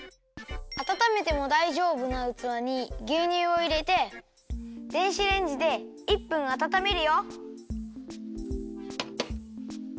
あたためてもだいじょうぶなうつわにぎゅうにゅうをいれて電子レンジで１分あたためるよ。